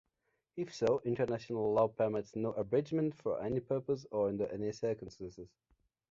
If so, international law permits no abridgments for any purpose or under any circumstances.